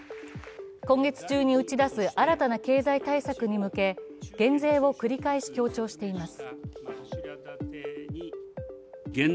今月中に打ち出す新たな経済対策に向け減税を繰り返し強調しています。